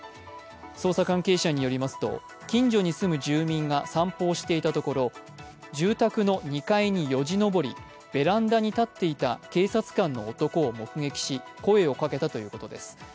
捜査関係者によりますと、近所に住む住民が散歩をしていたところ住宅の２階によじ登り、ベランダに立っていた警察官の男を目撃し声をかけたということです。